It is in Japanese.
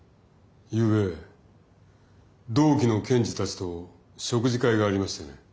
ゆうべ同期の検事たちと食事会がありましてね。